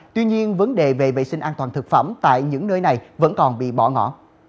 tuy nhiên vấn đề về vệ sinh an toàn thực phẩm tại những nơi này vẫn còn bị bỏ ngỏ